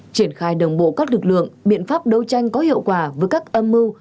triển khai đồng bộ các lực lượng biện pháp đấu tranh có hiệu quả với các âm mưu